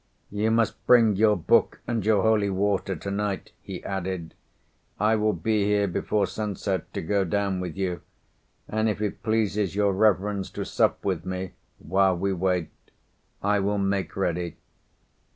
"You must bring your book and your holy water to night," he added. "I will be here before sunset to go down with you, and if it pleases your reverence to sup with me while we wait, I will make ready."